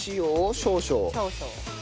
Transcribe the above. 少々。